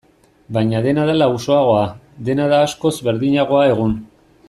Baina dena da lausoagoa, dena da askoz berdinagoa egun.